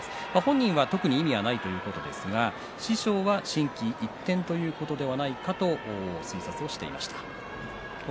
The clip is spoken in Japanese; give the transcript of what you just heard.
本人は特に意味はないということですが師匠は心機一転じゃないかという推察していました。